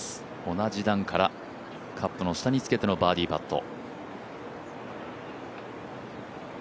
同じ段から、カップの下につけてのバーディーパット。